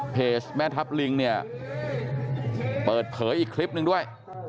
แม่ทัพลิงเนี่ยเปิดเผยอีกคลิปหนึ่งด้วย